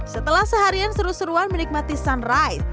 setelah seharian seru seruan menikmati sunrise